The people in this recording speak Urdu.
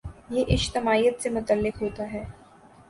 یہ اجتماعیت سے متعلق ہوتا ہے۔